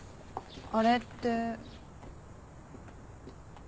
あれって。